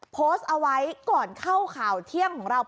โพสต์เอาไว้ก่อนเข้าข่าวเที่ยงของเรา